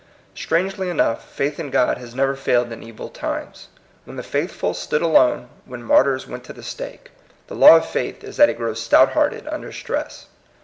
Strangely enough, faith in God has never failed in evil times, when the faithful stood alone, when martyrs went to the stake. The law of faith is that it grows stout hearted under stress.